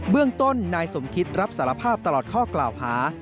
เรื่องต้นนายสมคิตรับสารภาพตลอดข้อกล่าวหา